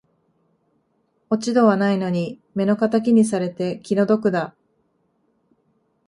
落ち度はないのに目の敵にされて気の毒だ